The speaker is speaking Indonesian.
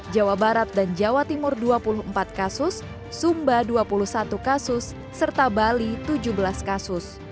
jawa barat dan jawa timur dua puluh empat kasus sumba dua puluh satu kasus serta bali tujuh belas kasus